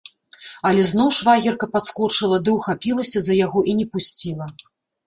Але зноў швагерка падскочыла ды ўхапілася за яго і не пусціла.